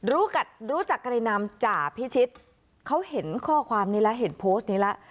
รู้จักรู้จักในนามจ่าพิชิตเขาเห็นข้อความนี้แล้วเห็นโพสต์นี้แล้ว